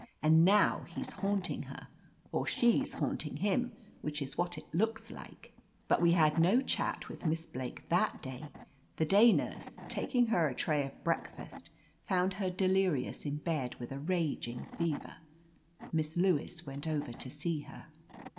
And now he's haunting her — or she's liaunting him, which is what it looks like." But we had no chat with Miss Blake that day. The day nurse, taking her a tray of breakfast, found her delirious in bed, with a raging fever. Miss Lewis went over to see her.